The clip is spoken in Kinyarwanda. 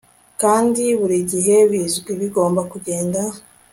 Kandi burigihe bizwi bigomba kugenda